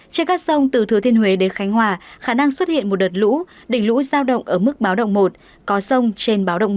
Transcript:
trên các sông từ thừa thiên huế đến khánh hòa khả năng xuất hiện một đợt lũ đỉnh lũ giao động ở mức báo động một có sông trên báo động một